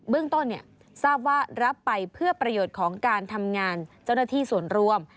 เรื่องต้นทราบว่ารับไปเพื่อประโยชน์ของการทำงานเจ้าหน้าที่ส่วนรวม